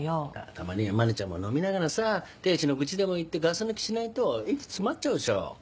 たまにはマリちゃんも飲みながらさ亭主の愚痴でも言ってガス抜きしないと息詰まっちゃうでしょ。